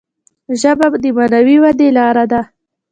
ژبه د معنوي ودي لاره ده.